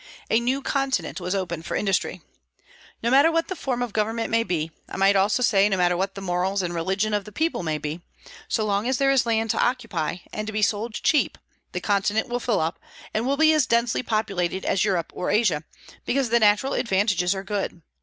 A new continent was opened for industry. No matter what the form of government may be, I might almost say no matter what the morals and religion of the people may be, so long as there is land to occupy, and to be sold cheap, the continent will fill up, and will be as densely populated as Europe or Asia, because the natural advantages are good.